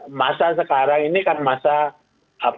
nah masa sekarang ini kan masa konsolidasi demokratis